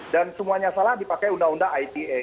dan semuanya salah dipakai undang undang ite